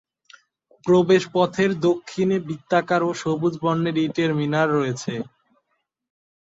প্রবেশপথের দক্ষিণে বৃত্তাকার ও সবুজ বর্ণের ইটের মিনার রয়েছে।